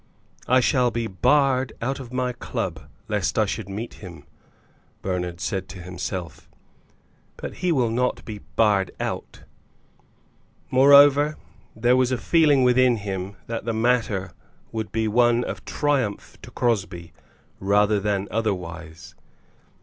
"I shall be barred out of my club lest I should meet him," Bernard said to himself, "but he will not be barred out." Moreover, there was a feeling within him that the matter would be one of triumph to Crosbie rather than otherwise.